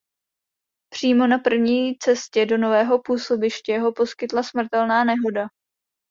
Přímo na první cestě do nového působiště ho postihla smrtelná nehoda.